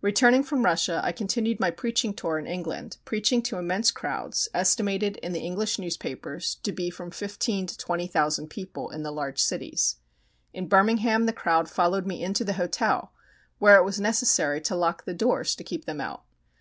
Returning from Russia, I continued my preaching tour in England, preaching to immense crowds, estimated in the English newspapers to be from fifteen to twenty thousand people, in the large cities. In Birmingham the crowd followed me into the hotel, where it was necessary to lock the doors to keep them out.